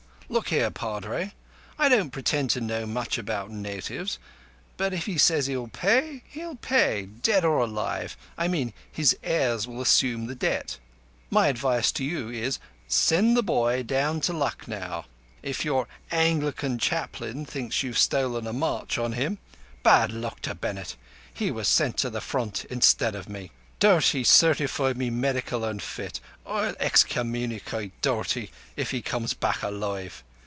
Look here, Padre, I don't pretend to know much about natives, but if he says he'll pay, he'll pay—dead or alive. I mean, his heirs will assume the debt. My advice to you is, send the boy down to Lucknow. If your Anglican Chaplain thinks you've stolen a march on him—" "Bad luck to Bennett! He was sent to the Front instead o' me. Doughty certified me medically unfit. I'll excommunicate Doughty if he comes back alive!